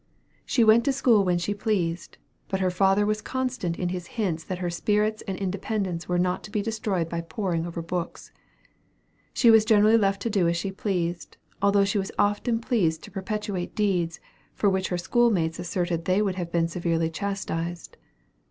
She went to school when she pleased; but her father was constant in his hints that her spirits and independence were not to be destroyed by poring over books. She was generally left to do as she pleased, although she was often pleased to perpetrate deeds, for which her school mates often asserted they would have been severely chastised.